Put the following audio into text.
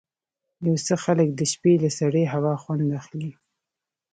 یو څه خلک د شپې له سړې هوا خوند اخلي.